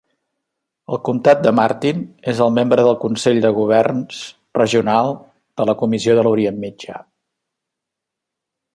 El comtat de Martin és membre del consell de governs regional de la Comissió de l'Orient Mitjà.